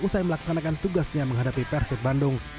dan mengerjakan tugasnya menghadapi persik bandung